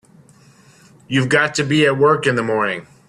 You've got to be at work in the morning.